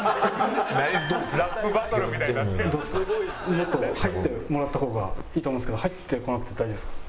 もっと入ってもらった方がいいと思うんですけど入ってこなくて大丈夫ですか？